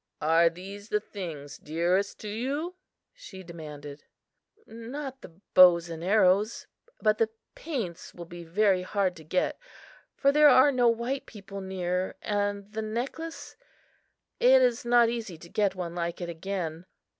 "Are these the things dearest to you?" she demanded. "Not the bow and arrows, but the paints will be very hard to get, for there are no white people near; and the necklace it is not easy to get one like it again.